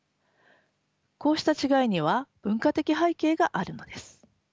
こうした違いには文化的背景があるのです。